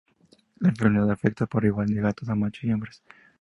La enfermedad afecta por igual a gatos machos y hembras.